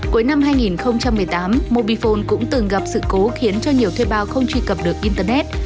cuối năm hai nghìn một mươi tám mobifone cũng từng gặp sự cố khiến cho nhiều thuê bao không truy cập được internet